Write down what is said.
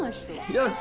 よし。